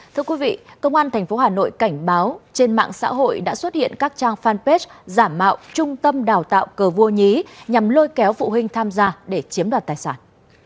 thưa quý vị công an tp hà nội cảnh báo trên mạng xã hội đã xuất hiện các trang fanpage giả mạo trung tâm đào tạo cờ vua nhí nhằm lôi kéo phụ huynh tham gia để chiếm đoạt tài sản